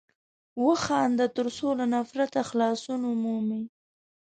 وخانده تر څو له نفرته خلاصون ومومې!